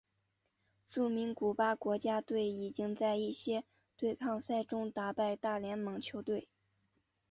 著名古巴国家队已经在一些对抗赛中打败大联盟球队。